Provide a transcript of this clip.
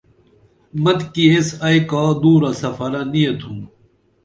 متکی ایس ائی کا دُورہ سفرہ نی ییتُھم